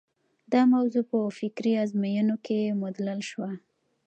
دا موضوع په فکري ازموینو کې مدلل شوه.